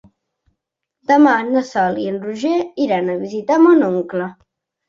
Demà na Sol i en Roger iran a visitar mon oncle.